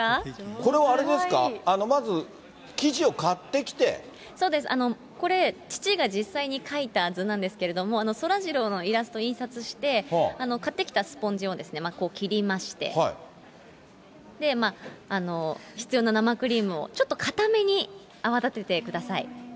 これはあれですか、まず、そうです、これ、父が実際に描いた図なんですけれども、そらジローのイラストを印刷して、買ってきたスポンジを切りまして、必要な生クリームをちょっと硬めに泡立ててください。